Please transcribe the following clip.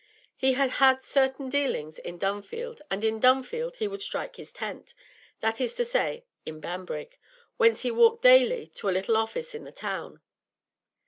He had had certain dealings in Dunfield, and in Dunfield he would strike his tent that is to say, in Banbrigg, whence he walked daily to a little office in the town.